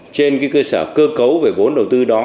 trên cái cơ sở cơ cấu về vốn đầu tư đó